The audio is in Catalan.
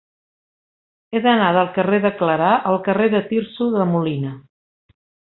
He d'anar del carrer de Clarà al carrer de Tirso de Molina.